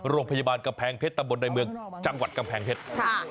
โรงพยาบาลกำแพงเพชรตำบลในเมืองจังหวัดกำแพงเพชร